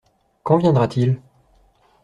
Quand viendra-t-il ?